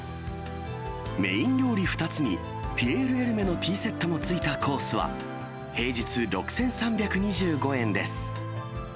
メイン料理２つにピエール・エルメのティーセットもついたコースは、平日６３２５円です。